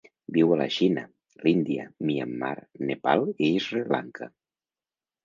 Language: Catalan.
Viu a la Xina, l'Índia, Myanmar, Nepal i Sri Lanka.